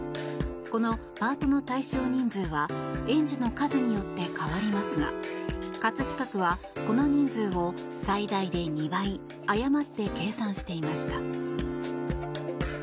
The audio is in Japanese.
このパートの対象人数は園児の数によって変わりますが葛飾区は、この人数を最大で２倍誤って計算していました。